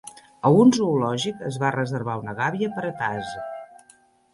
A un zoològic, es va reservar una gàbia per a Taz.